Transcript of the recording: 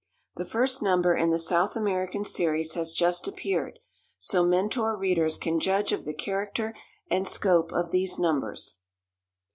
The first number in the South American series has just appeared, so Mentor readers can judge of the character and scope of these numbers.